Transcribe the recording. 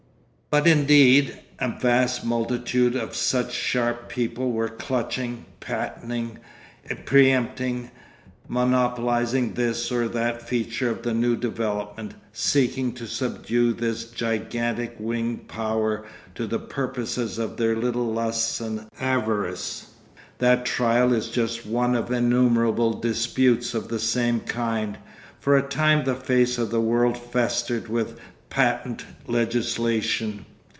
But indeed a vast multitude of such sharp people were clutching, patenting, pre empting, monopolising this or that feature of the new development, seeking to subdue this gigantic winged power to the purposes of their little lusts and avarice. That trial is just one of innumerable disputes of the same kind. For a time the face of the world festered with patent legislation.